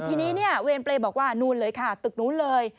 ทีนี้เนี่ยเวรเปรย์บอกว่านู่นเลยค่ะตึกนู้นเลย